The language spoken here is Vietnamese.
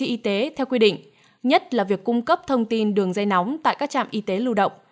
y tế theo quy định nhất là việc cung cấp thông tin đường dây nóng tại các trạm y tế lưu động